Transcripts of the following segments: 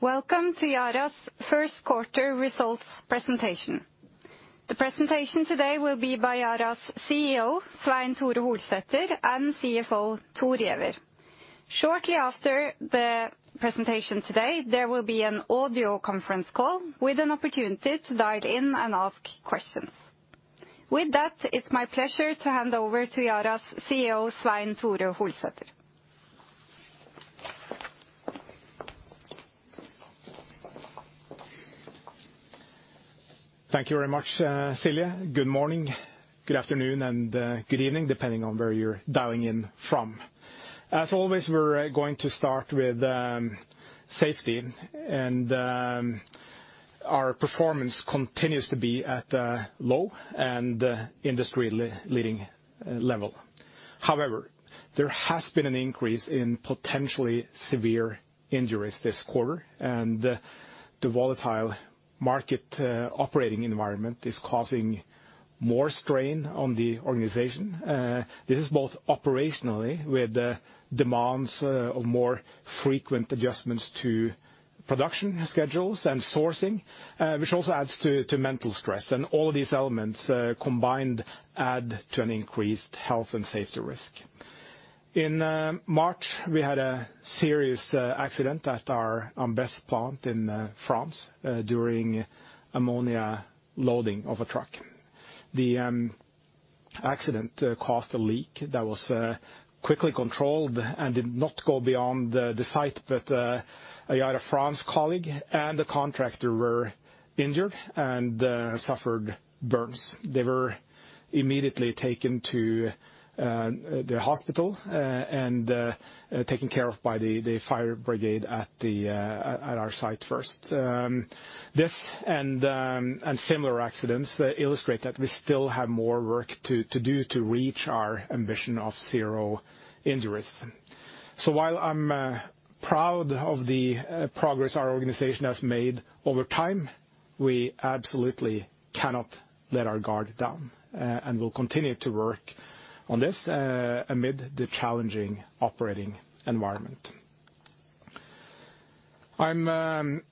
Welcome to Yara's first quarter results presentation. The presentation today will be by Yara's CEO, Svein Tore Holsether, and CFO, Thor Giæver. Shortly after the presentation today, there will be an audio conference call with an opportunity to dial in and ask questions. With that, it's my pleasure to hand over to Yara's CEO, Svein Tore Holsether. Thank you very much, Silje. Good morning, good afternoon, and good evening, depending on where you're dialing in from. As always, we're going to start with safety. Our performance continues to be at low and industry-leading level. However, there has been an increase in potentially severe injuries this quarter, and the volatile market operating environment is causing more strain on the organization. This is both operationally with the demands of more frequent adjustments to production schedules and sourcing, which also adds to mental stress. All these elements combined add to an increased health and safety risk. In March, we had a serious accident at our Ambès plant in France, during ammonia loading of a truck. The accident caused a leak that was quickly controlled and did not go beyond the site. A Yara France colleague and a contractor were injured and suffered burns. They were immediately taken to the hospital and taken care of by the fire brigade at our site first. This and similar accidents illustrate that we still have more work to do to reach our ambition of zero injuries. While I'm proud of the progress our organization has made over time, we absolutely cannot let our guard down. We'll continue to work on this amid the challenging operating environment. I'm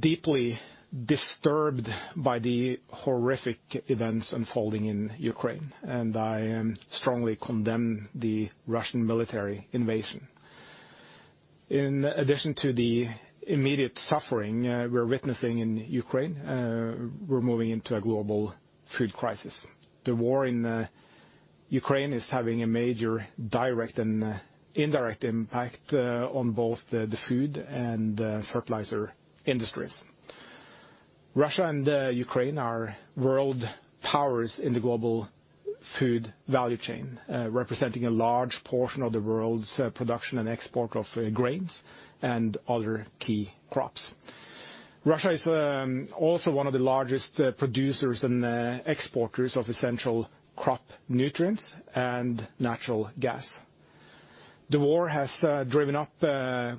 deeply disturbed by the horrific events unfolding in Ukraine, and I strongly condemn the Russian military invasion. In addition to the immediate suffering we're witnessing in Ukraine, we're moving into a global food crisis. The war in Ukraine is having a major direct and indirect impact on both the food and fertilizer industries. Russia and Ukraine are world powers in the global food value chain, representing a large portion of the world's production and export of grains and other key crops. Russia is also one of the largest producers and exporters of essential crop nutrients and natural gas. The war has driven up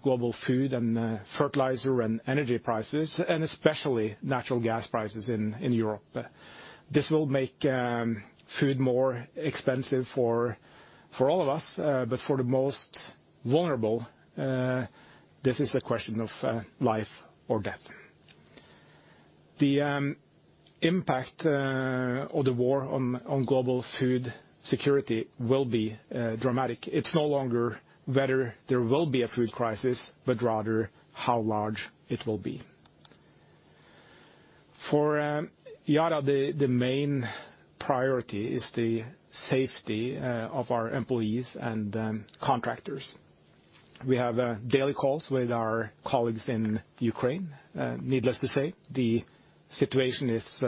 global food and fertilizer and energy prices, and especially natural gas prices in Europe. This will make food more expensive for all of us, but for the most vulnerable, this is a question of life or death. The impact of the war on global food security will be dramatic. It's no longer whether there will be a food crisis, but rather how large it will be. For Yara, the main priority is the safety of our employees and contractors. We have daily calls with our colleagues in Ukraine. Needless to say, the situation is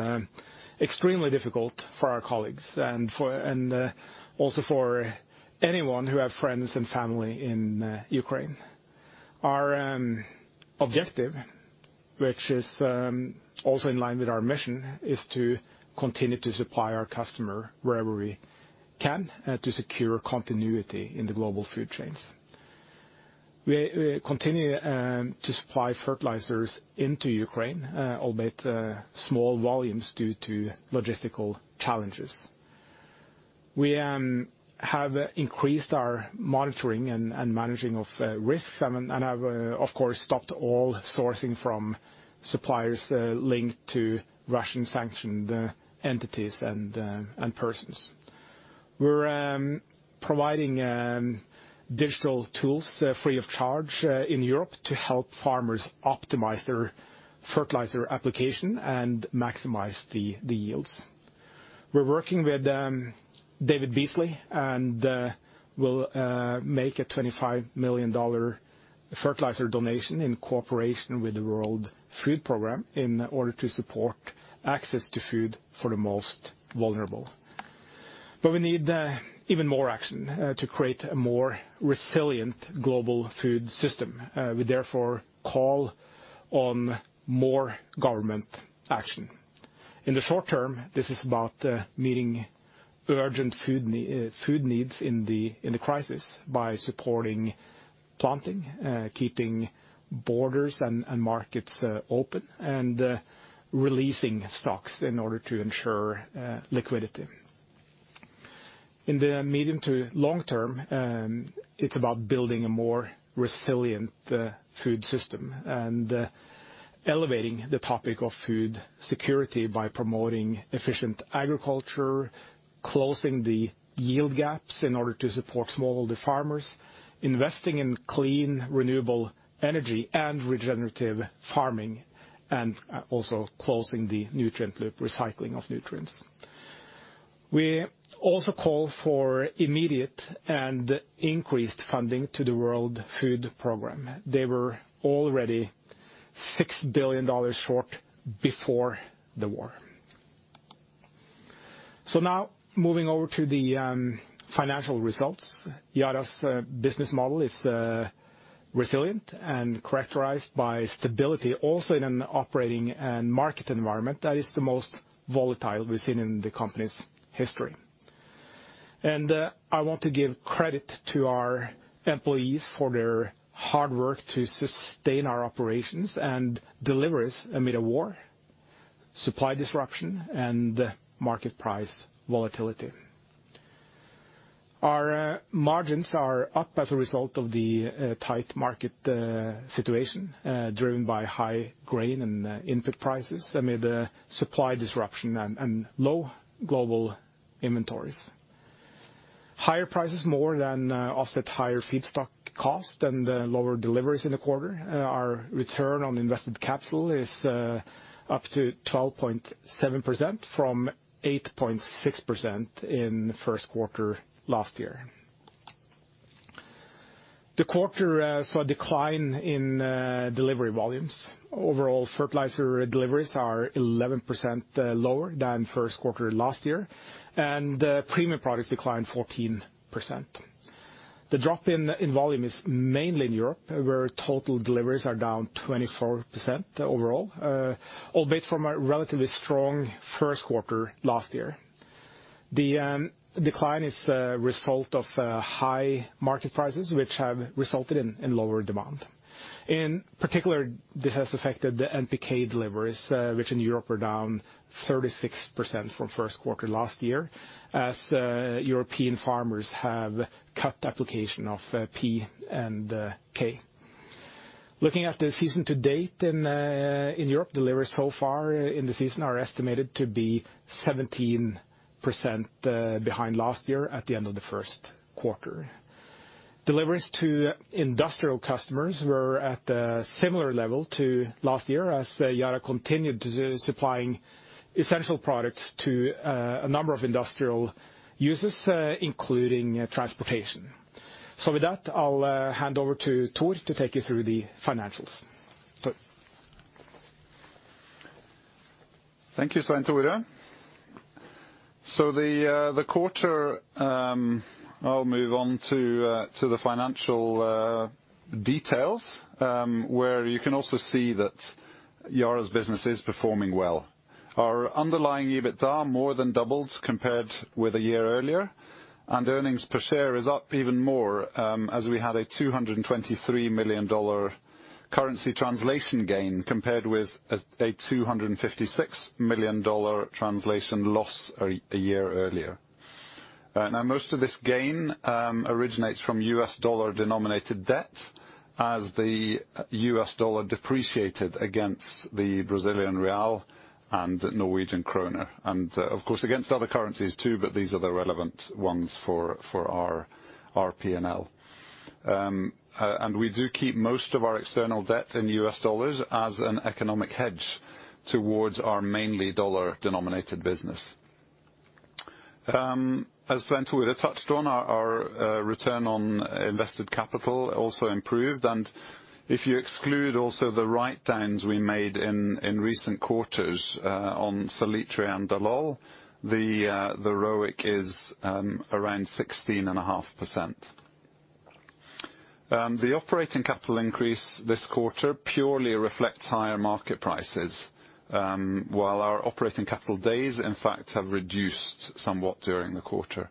extremely difficult for our colleagues and also for anyone who have friends and family in Ukraine. Our objective, which is also in line with our mission, is to continue to supply our customer wherever we can to secure continuity in the global food chains. We continue to supply fertilizers into Ukraine, albeit small volumes due to logistical challenges. We have increased our monitoring and managing of risks and have, of course, stopped all sourcing from suppliers linked to Russian-sanctioned entities and persons. We're providing digital tools free of charge in Europe to help farmers optimize their fertilizer application and maximize the yields. We're working with David Beasley, and we'll make a $25 million fertilizer donation in cooperation with the World Food Programme in order to support access to food for the most vulnerable. We need even more action to create a more resilient global food system. We therefore call on more government action. In the short term, this is about meeting urgent food needs in the crisis by supporting planting, keeping borders and markets open, and releasing stocks in order to ensure liquidity. In the medium to long term, it's about building a more resilient food system and elevating the topic of food security by promoting efficient agriculture, closing the yield gaps in order to support smallholder farmers, investing in clean, renewable energy and regenerative farming, and also closing the nutrient loop, recycling of nutrients. We also call for immediate and increased funding to the World Food Programme. They were already $6 billion short before the war. Now moving over to the financial results. Yara's business model is resilient and characterized by stability, also in an operating and market environment that is the most volatile we've seen in the company's history. I want to give credit to our employees for their hard work to sustain our operations and deliveries amid a war, supply disruption, and market price volatility. Our margins are up as a result of the tight market situation driven by high grain and input prices amid the supply disruption and low global inventories. Higher prices more than offset higher feedstock cost and lower deliveries in the quarter. Our return on invested capital is up to 12.7% from 8.6% in first quarter last year. The quarter saw a decline in delivery volumes. Overall fertilizer deliveries are 11% lower than first quarter last year, and premium products declined 14%. The drop in volume is mainly in Europe, where total deliveries are down 24% overall, albeit from a relatively strong first quarter last year. The decline is a result of high market prices, which have resulted in lower demand. In particular, this has affected the NPK deliveries, which in Europe are down 36% from first quarter last year as European farmers have cut application of P and K. Looking at the season to date in Europe, deliveries so far in the season are estimated to be 17% behind last year at the end of the first quarter. Deliveries to industrial customers were at a similar level to last year as Yara continued supplying essential products to a number of industrial users, including transportation. With that, I'll hand over to Thor to take you through the financials. Thor. Thank you, Svein Tore. I'll move on to the financial details, where you can also see that Yara's business is performing well. Our underlying EBITDA more than doubled compared with a year earlier, and earnings per share is up even more, as we had a $223 million currency translation gain compared with a $256 million translation loss a year earlier. Now most of this gain originates from US dollar-denominated debt as the US dollar depreciated against the Brazilian real and Norwegian krone, and of course, against other currencies too, but these are the relevant ones for our P&L. We do keep most of our external debt in US dollars as an economic hedge towards our mainly dollar-denominated business. As Svein Tore touched on, our return on invested capital also improved. If you exclude also the write-downs we made in recent quarters on Salitre and Dallol, the ROIC is around 16.5%. The operating capital increase this quarter purely reflects higher market prices, while our operating capital days, in fact, have reduced somewhat during the quarter.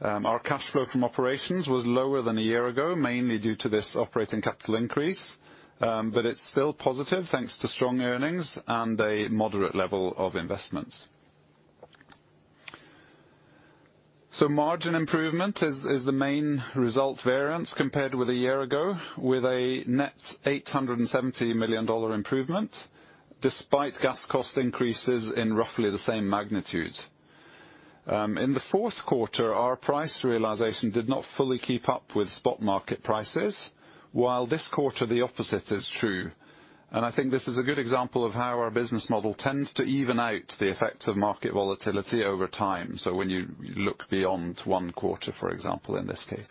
Our cash flow from operations was lower than a year ago, mainly due to this operating capital increase, but it's still positive thanks to strong earnings and a moderate level of investments. Margin improvement is the main result variance compared with a year ago with a net $870 million improvement, despite gas cost increases in roughly the same magnitude. In the fourth quarter, our price realization did not fully keep up with spot market prices, while this quarter, the opposite is true. I think this is a good example of how our business model tends to even out the effects of market volatility over time, so when you look beyond one quarter, for example, in this case.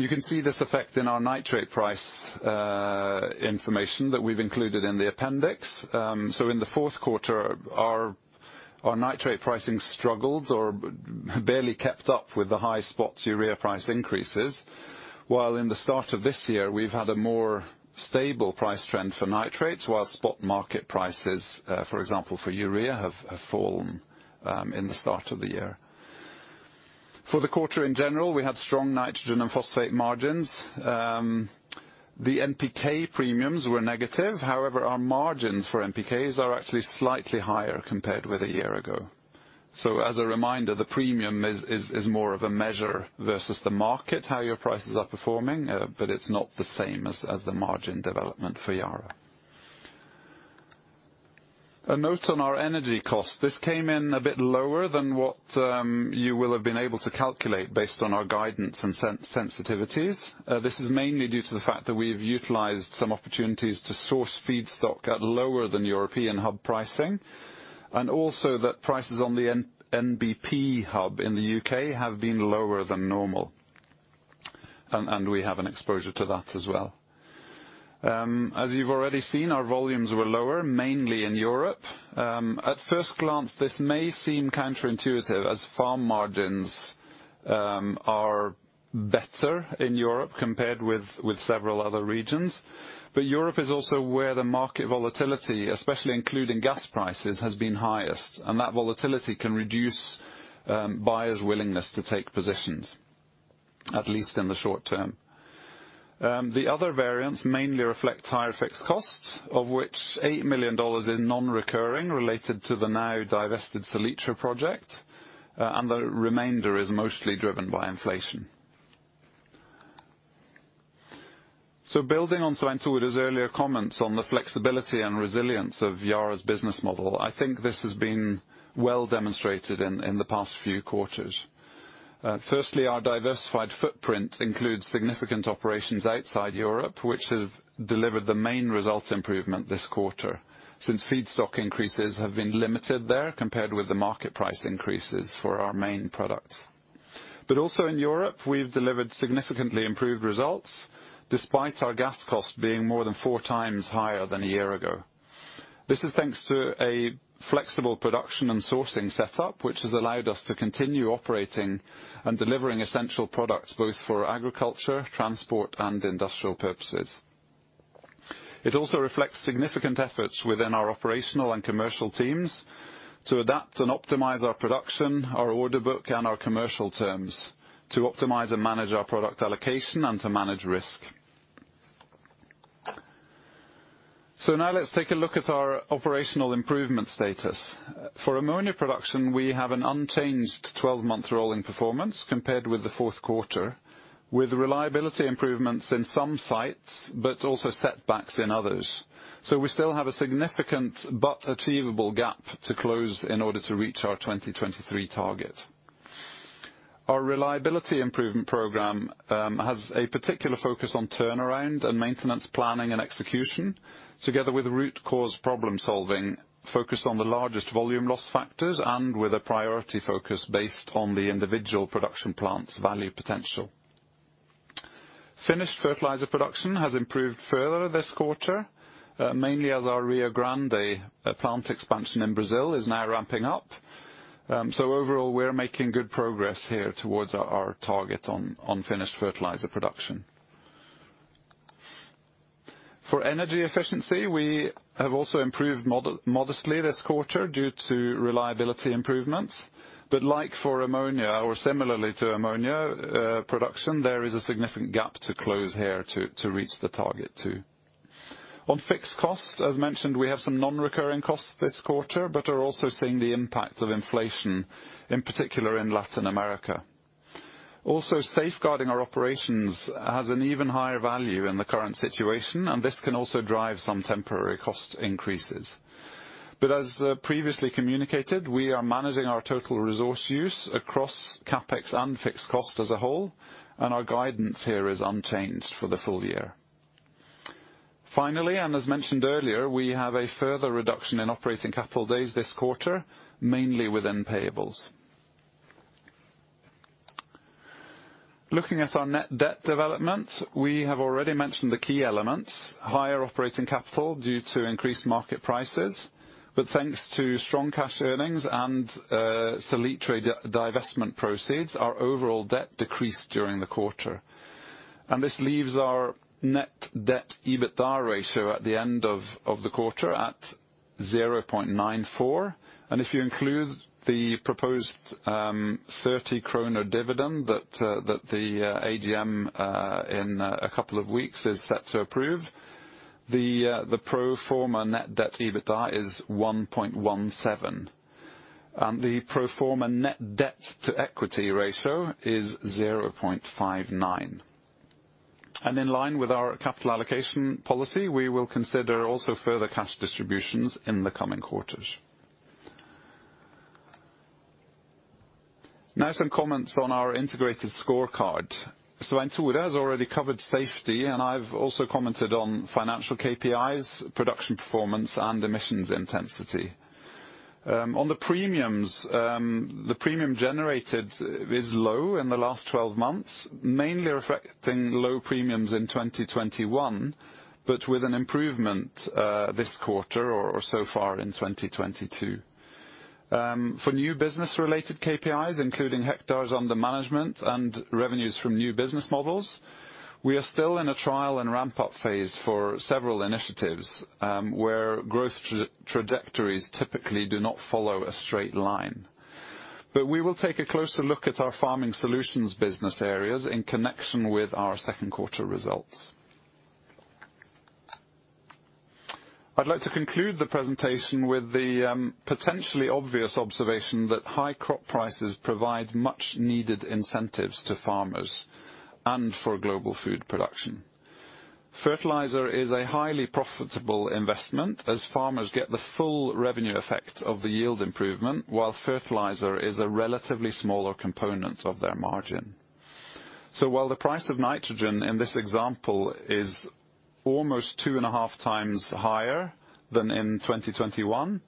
You can see this effect in our nitrate price information that we've included in the appendix. In the fourth quarter, our nitrate pricing struggled or barely kept up with the high spot urea price increases, while in the start of this year, we've had a more stable price trend for nitrates, while spot market prices, for example, for urea, have fallen in the start of the year. For the quarter in general, we had strong nitrogen and phosphate margins. The NPK premiums were negative. However, our margins for NPKs are actually slightly higher compared with a year ago. As a reminder, the premium is more of a measure versus the market, how your prices are performing, but it's not the same as the margin development for Yara. A note on our energy costs. This came in a bit lower than what you will have been able to calculate based on our guidance and sensitivities. This is mainly due to the fact that we've utilized some opportunities to source feedstock at lower than European hub pricing, and also that prices on the NBP hub in the UK have been lower than normal. We have an exposure to that as well. As you've already seen, our volumes were lower, mainly in Europe. At first glance, this may seem counterintuitive as farm margins are better in Europe compared with several other regions. Europe is also where the market volatility, especially including gas prices, has been highest, and that volatility can reduce buyers' willingness to take positions, at least in the short term. The other variants mainly reflect higher fixed costs, of which $8 million is non-recurring related to the now divested Salitre project, and the remainder is mostly driven by inflation. Building on Svein Tore's earlier comments on the flexibility and resilience of Yara's business model, I think this has been well demonstrated in the past few quarters. Firstly, our diversified footprint includes significant operations outside Europe, which have delivered the main results improvement this quarter since feedstock increases have been limited there compared with the market price increases for our main products. Also in Europe, we've delivered significantly improved results despite our gas costs being more than 4x higher than a year ago. This is thanks to a flexible production and sourcing setup, which has allowed us to continue operating and delivering essential products both for agriculture, transport, and industrial purposes. It also reflects significant efforts within our operational and commercial teams to adapt and optimize our production, our order book, and our commercial terms to optimize and manage our product allocation and to manage risk. Now let's take a look at our operational improvement status. For ammonia production, we have an unchanged 12-month rolling performance compared with the fourth quarter, with reliability improvements in some sites, but also setbacks in others. We still have a significant but achievable gap to close in order to reach our 2023 target. Our reliability improvement program has a particular focus on turnaround and maintenance planning and execution, together with root cause problem-solving, focused on the largest volume loss factors and with a priority focus based on the individual production plant's value potential. Finished fertilizer production has improved further this quarter, mainly as our Rio Grande plant expansion in Brazil is now ramping up. Overall, we're making good progress here towards our target on finished fertilizer production. For energy efficiency, we have also improved modestly this quarter due to reliability improvements. Like for ammonia or similarly to ammonia, production, there is a significant gap to close here to reach the target too. On fixed costs, as mentioned, we have some non-recurring costs this quarter, but are also seeing the impact of inflation, in particular in Latin America. Also, safeguarding our operations has an even higher value in the current situation, and this can also drive some temporary cost increases. As previously communicated, we are managing our total resource use across CapEx and fixed cost as a whole, and our guidance here is unchanged for the full year. Finally, and as mentioned earlier, we have a further reduction in operating capital days this quarter, mainly within payables. Looking at our net debt development, we have already mentioned the key elements, higher operating capital due to increased market prices. Thanks to strong cash earnings and Salitre divestment proceeds, our overall debt decreased during the quarter. This leaves our net debt EBITDA ratio at the end of the quarter at 0.94. If you include the proposed 30 kroner dividend that the AGM in a couple of weeks is set to approve, the pro forma net debt EBITDA is 1.17. The pro forma net debt to equity ratio is 0.59. In line with our capital allocation policy, we will consider also further cash distributions in the coming quarters. Now some comments on our integrated scorecard. Svein Tore has already covered safety, and I've also commented on financial KPIs, production performance, and emissions intensity. On the premiums, the premium generated is low in the last 12 months, mainly reflecting low premiums in 2021, but with an improvement, this quarter or so far in 2022. For new business-related KPIs, including hectares under management and revenues from new business models. We are still in a trial and ramp-up phase for several initiatives, where growth trajectories typically do not follow a straight line. We will take a closer look at our farming solutions business areas in connection with our second quarter results. I'd like to conclude the presentation with the potentially obvious observation that high crop prices provide much needed incentives to farmers and for global food production. Fertilizer is a highly profitable investment as farmers get the full revenue effect of the yield improvement, while fertilizer is a relatively smaller component of their margin. While the price of nitrogen in this example is almost 2.5x higher than in 2021,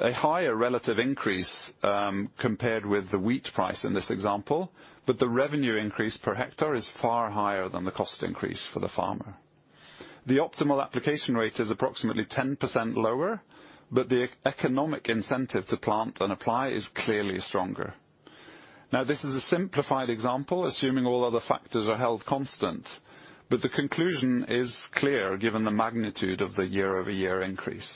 a higher relative increase, compared with the wheat price in this example, but the revenue increase per hectare is far higher than the cost increase for the farmer. The optimal application rate is approximately 10% lower, but the economic incentive to plant and apply is clearly stronger. Now, this is a simplified example, assuming all other factors are held constant, but the conclusion is clear given the magnitude of the year-over-year increase.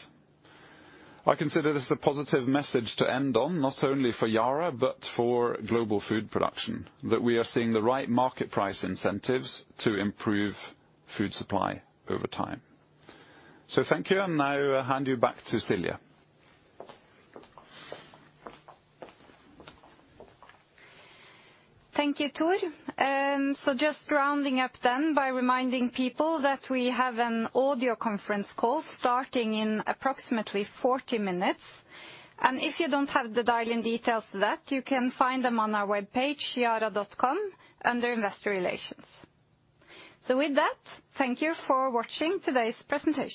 I consider this a positive message to end on, not only for Yara but for global food production, that we are seeing the right market price incentives to improve food supply over time. Thank you, and now I hand you back to Silje. Thank you, Thor. Just rounding up then by reminding people that we have an audio conference call starting in approximately 40 minutes. If you don't have the dial-in details to that, you can find them on our webpage, yara.com, under Investor Relations. With that, thank you for watching today's presentation.